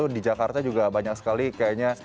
di jakarta juga banyak sekali kayaknya